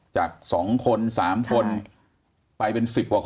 จาก๒คน๓คนไปเป็น๑๐กว่าคน